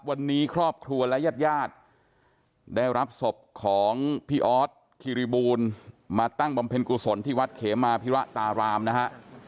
วันนี้ครอบครัวและญาติญาติได้รับศพของพี่ออสคิริบูลมาตั้งบำเพ็ญกุศลที่วัดเขมาพิระตารามนะฮะ